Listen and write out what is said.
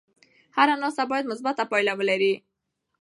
هره ناسته باید مثبته پایله ولري.